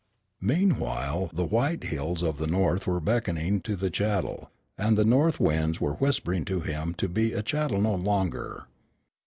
Meanwhile the white hills of the North were beckoning to the chattel, and the north winds were whispering to him to be a chattel no longer.